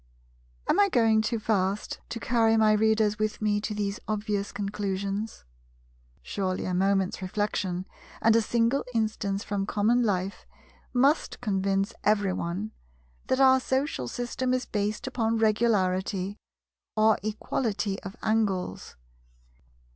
Am I going too fast to carry my Readers with me to these obvious conclusions? Surely a moment's reflection, and a single instance from common life, must convince every one that our social system is based upon Regularity, or Equality of Angles.